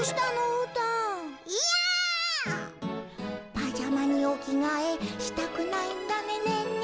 「パジャマにおきがえしたくないんだね